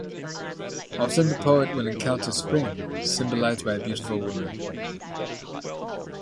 Often the poet will encounter Spring, symbolized by a beautiful woman.